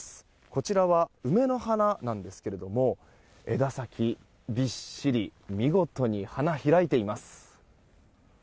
こちらは梅の花なんですが枝先、びっしり見事に花開いています。